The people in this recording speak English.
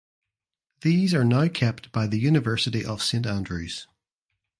These are now kept by the University of St Andrews.